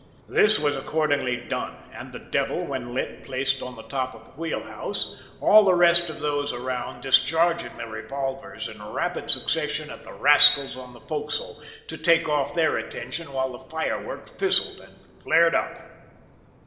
This was accordingly done, and the `devil,' when lit, placed on the top of the wheel house, all the rest of those around discharging their revolvers in rapid succession at the rascals on the forecastle to take off their attention while the firework fizzed and flared up.